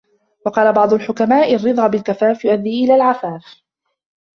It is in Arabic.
وَقَالَ بَعْضُ الْحُكَمَاءِ الرِّضَى بِالْكَفَافِ يُؤَدِّي إلَى الْعَفَافِ